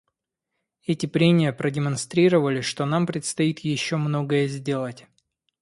Эти прения продемонстрировали, что нам предстоит еще многое сделать.